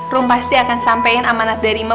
rum pasti akan sampein amanat dari emak